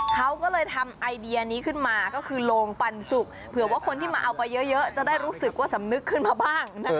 เขาก็เลยทำไอเดียนี้ขึ้นมาก็คือโรงปันสุกเผื่อว่าคนที่มาเอาไปเยอะจะได้รู้สึกว่าสำนึกขึ้นมาบ้าง